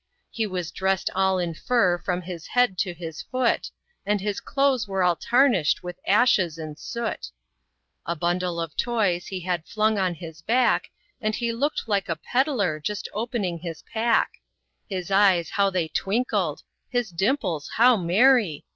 He was dressed all in fur from his head to his foot, And his clothes were all tarnished with ashes and soot; A bundle of toys he had flung on his back, And he looked like a peddler just opening his pack; His eyes how they twinkled! his dimples how merry!